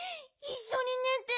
いっしょにねて。